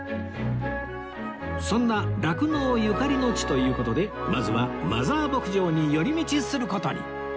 そんな酪農ゆかりの地という事でまずはマザー牧場に寄り道する事に